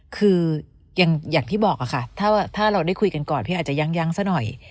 คืออย่างที่บอกค่ะถ้าเราได้คุยกันก่อนพี่อาจจะยังซะหน่อย